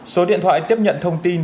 số điện thoại tiếp nhận thông tin